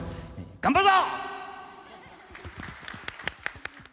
頑張るぞ！